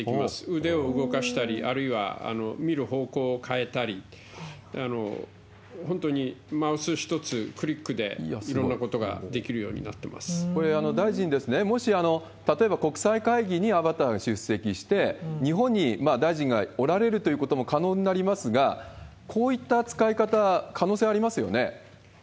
腕を動かしたり、あるいは見る方向を変えたり、本当にマウス１つクリックでいろんなことができるようになってまこれ、大臣、もし例えば、国際会議にアバターが出席して、日本に大臣がおられるということも可能になりますが、こういった扱い方、可能性ありますよね？